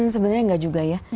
sebenarnya nggak juga ya